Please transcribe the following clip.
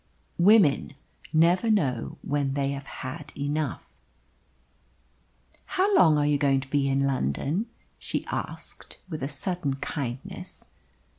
Women never know when they have had enough. "How long are you to be in London?" she asked, with a sudden kindness.